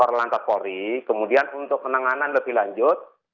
korlantas polri kemudian untuk penanganan lebih lanjut